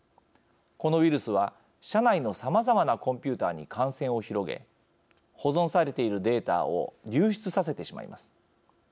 このウイルスは、社内のさまざまなコンピューターに感染を広げ保存されているデータを流出させてしまいます。